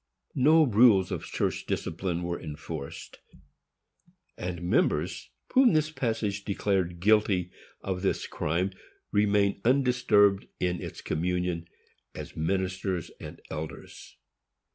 No rules of church discipline were enforced, and members whom this passage declared guilty of this crime remained undisturbed in its communion, as ministers and elders.